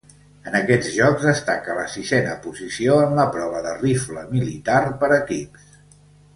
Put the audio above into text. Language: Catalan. En aquests Jocs destaca la sisena posició en la prova de rifle militar per equips.